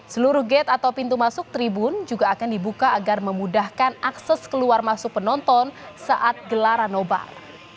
seluruh gate atau pintu masuk tribun juga akan dibuka agar memudahkan akses keluar masuk penonton saat gelaran nobar